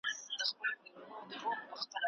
سياست تل د سولي په حالت کي نه وي.